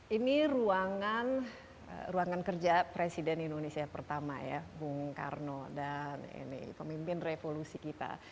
ini ruangan kerja presiden indonesia pertama ya bung karno dan pemimpin revolusi kita